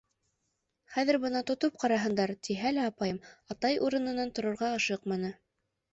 Хәҙер бына тотоп ҡараһындар! — тиһә лә апайым, атай урынынан торорға ашыҡманы.